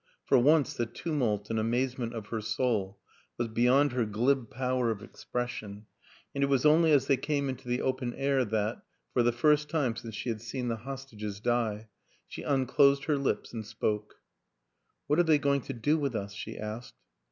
For once the tumult and amazement of her soul was beyond her glib power of expression and it was only as they came into the open air that for the first time since she had seen the hostages die she unclosed her lips and spoke. "What are they going to do with us?" she asked.